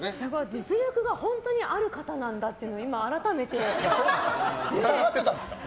実力が本当にある方なんだっていうのを疑ってたんですか？